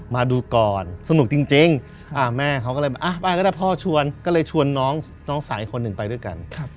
มาดูก่อนสนุกจริงแม่เขาก็เลยมาก็ได้พ่อชวนก็เลยชวนน้องสาวอีกคนหนึ่งไปด้วยกัน